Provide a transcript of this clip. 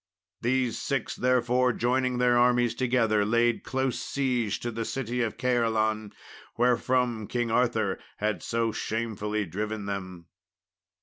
These six, therefore, joining their armies together, laid close siege to the city of Caerleon, wherefrom King Arthur had so shamefully driven them.